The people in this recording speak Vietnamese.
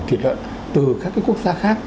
thịt lợn từ các quốc gia khác